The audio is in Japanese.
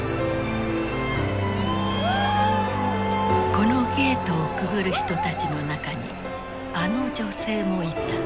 このゲートをくぐる人たちの中にあの女性もいた。